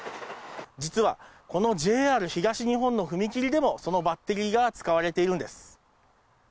実はこのＪＲ東日本の踏切でも、そのバッテリーが使われているんです。